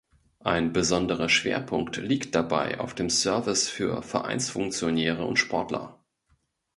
Ein besonderer Schwerpunkt liegt dabei auf dem Service für Vereinsfunktionäre und Sportler.